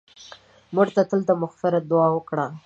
مړه ته تل د مغفرت دعا وکړه